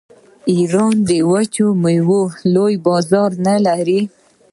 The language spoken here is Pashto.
آیا ایران د وچو میوو لوی بازار نلري؟